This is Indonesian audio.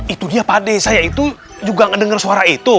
itu dia pak d saya itu juga ngedenger suara itu